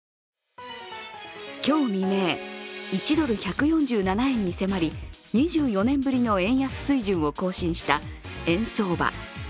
今日未明、１ドル＝１４７円に迫り２４年ぶりの円安水準を更新した円相場。